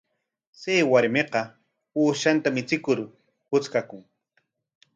Chay warmiqa uushanta michikur puchkakun.